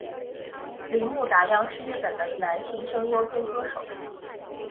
铃木达央是日本的男性声优兼歌手。